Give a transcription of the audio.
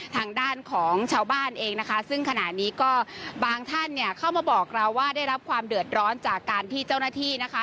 ทางด้านของชาวบ้านเองนะคะซึ่งขณะนี้ก็บางท่านเนี่ยเข้ามาบอกเราว่าได้รับความเดือดร้อนจากการที่เจ้าหน้าที่นะคะ